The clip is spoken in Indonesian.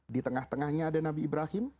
di tengah tengahnya ada nabi ibrahim